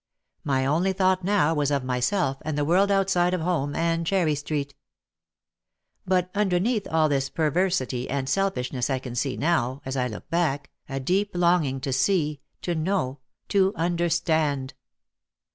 My only thought now was of myself and the world outside of home and Cherry Street. But un derneath all this perversity and selfishness I can see now, as I look back, a deep longing to see, to know, to understand.